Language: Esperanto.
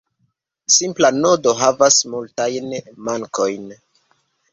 Simpla nodo havas multajn mankojn.